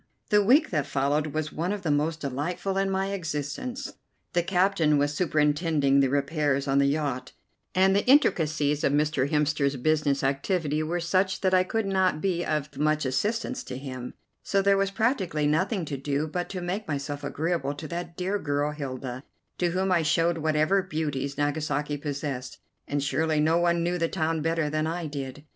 The week that followed was one of the most delightful in my existence. The captain was superintending the repairs on the yacht, and the intricacies of Mr. Hemster's business activity were such that I could not be of much assistance to him; so there was practically nothing to do but to make myself agreeable to that dear girl, Hilda, to whom I showed whatever beauties Nagasaki possessed, and surely no one knew the town better than I did.